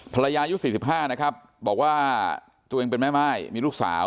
ภรรยายยุค๔๕นะครับบอกว่าตัวเองเป็นแม่ไม้มีลูกสาว